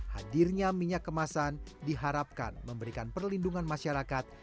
hadirnya minyak kemasan diharapkan memberikan perlindungan masyarakat